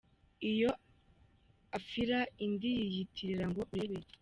iyo afira indi yiyitirira ngo urebe.